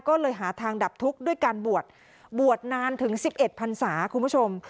ก็เลยหาทางดับทุกข์ด้วยการบวชบวชนานถึง๑๑พันศาคุณผู้ชม